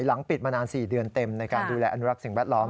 หลังปิดมานาน๔เดือนเต็มในการดูแลอนุรักษ์สิ่งแวดล้อม